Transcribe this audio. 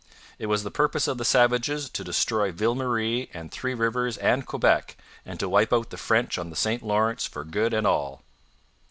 It was the purpose of the savages to destroy Ville Marie and Three Rivers and Quebec, and to wipe out the French on the St Lawrence for good and all.